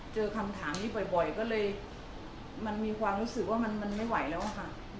เจอคำถามนี้บ่อยก็เลยมันมีความรู้สึกว่ามันไม่ไหวแล้วอะค่ะ